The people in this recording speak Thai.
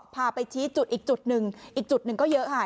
พาไปชี้จุดอีกจุดหนึ่งอีกจุดหนึ่งก็เยอะค่ะ